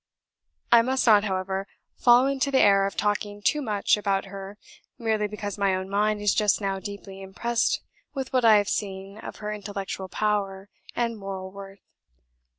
"I must not, however, fall into the error of talking too much about her merely because my own mind is just now deeply impressed with what I have seen of her intellectual power and moral worth.